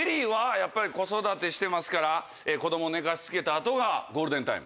やっぱり子育てしてますから子供寝かしつけた後がゴールデンタイム？